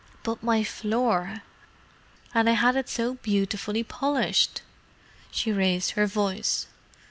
"But my floor! And I had it so beautifully polished!" she raised her voice.